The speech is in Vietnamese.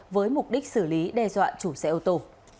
với mục đích xử lý đe dọa chủ xe ô tô